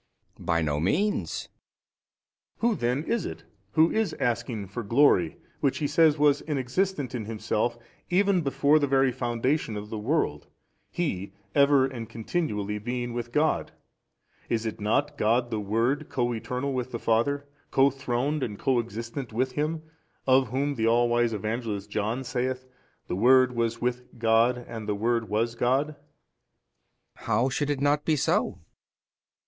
B. By no means. A. Who then is it who is asking for glory which He says was inexistent in Himself oven before the very foundation of the world, He ever and continually being with God? is |310 it not God the Word Co eternal with the Father, Co throned and Co existent with Him, of Whom the all wise Evangelist John saith, The Word was with God and the Word was God? B. How should it not be so?